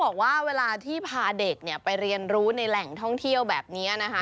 บอกว่าเวลาที่พาเด็กไปเรียนรู้ในแหล่งท่องเที่ยวแบบนี้นะคะ